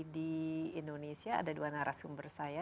di indonesia ada dua narasumber saya